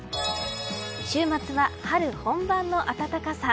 週末は春本番の暖かさ。